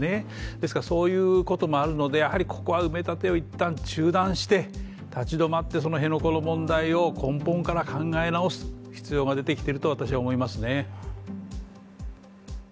ですからそういうこともあるので、ここは埋め立てをいったん中断して立ち止まって辺野古の問題を根本から考え直す必要が出てきてると私は思いますね。